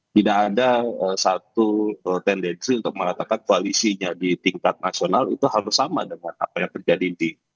tidak ada satu tendensi untuk mengatakan koalisinya di tingkat nasional itu harus sama dengan apa yang terjadi di